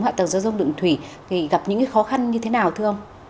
hạ tầng giao thông đường thủy thì gặp những khó khăn như thế nào thưa ông